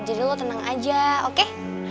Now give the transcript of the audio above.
jadi lo tenang aja oke